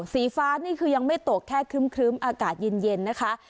สีฟ้านี่คือยังไม่ตกแค่ครึ้มอากาศเย็นนะคะ